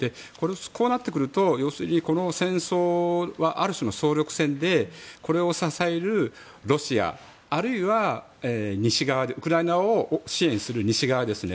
こうなってくると要するに、この戦争はある種の総力戦でこれを支えるロシアあるいはウクライナを支援する西側ですね。